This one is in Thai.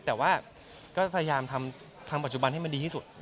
แต่ว่าก็พยายามทำทางปัจจุบันให้มันดีที่สุด